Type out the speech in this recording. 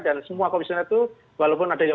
dan semua komisioner itu walaupun ada yang